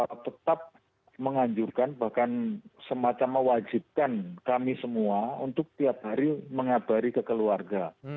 jadi kami di sini tetap mengajukan bahkan semacam mewajibkan kami semua untuk tiap hari mengabari ke keluarga